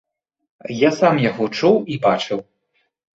Я сам яго чуў і бачыў.